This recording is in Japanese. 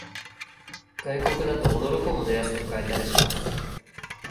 外国だと驚くほど安く買えたりします